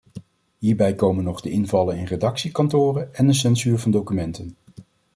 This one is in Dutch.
Hierbij komen nog de invallen in redactiekantoren en de censuur van documenten.